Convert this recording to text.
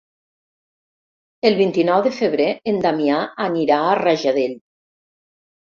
El vint-i-nou de febrer en Damià anirà a Rajadell.